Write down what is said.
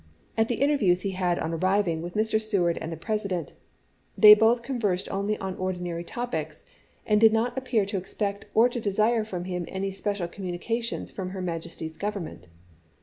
At the interviews he had on arriving with Mr. Seward and the President, they both conversed only on ordinary topics, and " did not appear to expect or to desire from him any special communications from her Majesty's Gov ernment."